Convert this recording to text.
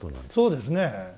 そうですね。